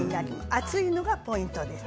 熱いのがポイントです。